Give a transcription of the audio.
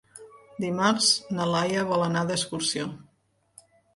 Dimarts na Laia vol anar d'excursió.